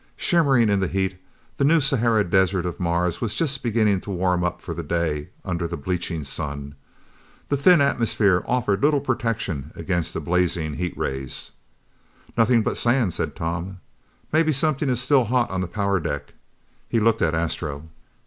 Shimmering in the heat, the New Sahara desert of Mars was just beginning to warm up for the day under the bleaching sun. The thin atmosphere offered little protection against the blazing heat rays. "Nothing but sand," said Tom. "Maybe something is still hot on the power deck." He looked at Astro.